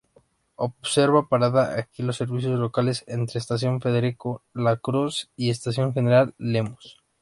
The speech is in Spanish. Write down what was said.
Observan parada aquí los servicios locales entre estación Federico Lacroze y estación General Lemos.